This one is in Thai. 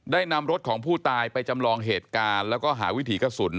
นำรถของผู้ตายไปจำลองเหตุการณ์แล้วก็หาวิถีกระสุน